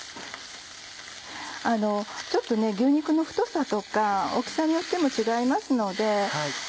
ちょっとね牛肉の太さとか大きさによっても違いますので。